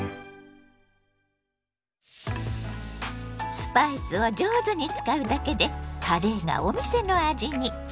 スパイスを上手に使うだけでカレーがお店の味に。